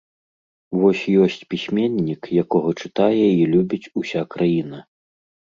Вось ёсць пісьменнік, якога чытае і любіць уся краіна.